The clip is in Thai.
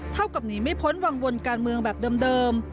กับหนีไม่พ้นวังวนการเมืองแบบเดิม